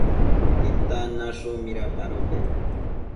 ¿Titan nashun midapadopec?